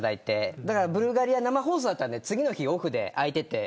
ブルガリア生放送だったので次の日オフで空いてて。